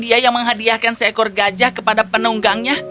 dia yang menghadiahkan seekor gajah kepada penunggangnya